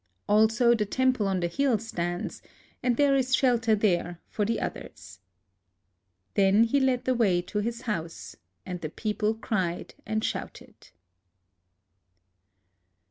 Also the temple on the hill stands ; and there is shelter there for the others." Then he led the way to his house ; and the people cried and shouted.